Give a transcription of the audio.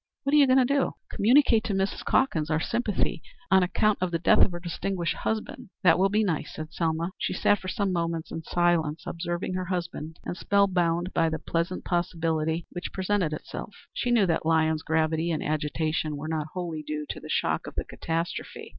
"What are you going to do?" "Communicate to Mrs. Calkins our sympathy on account of the death of her distinguished husband." "That will be nice," said Selma. She sat for some moments in silence observing her husband, and spell bound by the splendid possibility which presented itself. She knew that Lyons's gravity and agitation were not wholly due to the shock of the catastrophe.